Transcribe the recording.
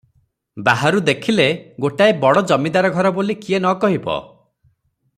ବାହାରୁ ଦେଖିଲେ ଗୋଟାଏ ବଡ଼ ଜମିଦାର ଘର ବୋଲି କିଏ ନ କହିବ?